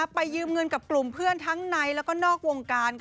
ไปยืมเงินกับกลุ่มเพื่อนทั้งในแล้วก็นอกวงการ